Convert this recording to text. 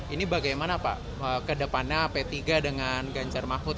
ini bagaimana pak ke depannya p tiga dengan ganjar mahfud